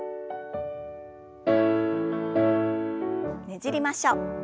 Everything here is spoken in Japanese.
ねじりましょう。